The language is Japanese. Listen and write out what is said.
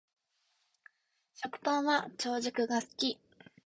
食パンは長熟が好き